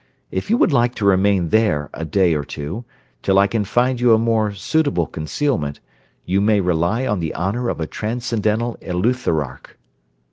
If you would like to remain there a day or two, till I can find you a more suitable concealment, you may rely on the honour of a transcendental eleutherarch.'